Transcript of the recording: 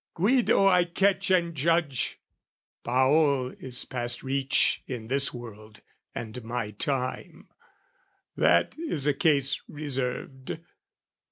Guido I catch and judge; Paul is past reach in this world and my time: That is a case reserved.